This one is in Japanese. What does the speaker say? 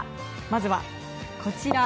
まずはこちら。